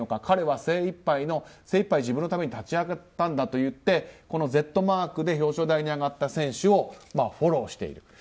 彼は精いっぱい自分のために立ち上がったんだと言ってこの「Ｚ」マークで表彰台に上がった選手をフォローしている。